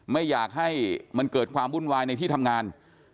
ไม่อยากให้มันเกิดความวุ่นวายในที่ทำงาน